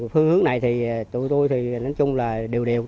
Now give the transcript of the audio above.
phương hướng này thì tụi tôi thì nói chung là điều điều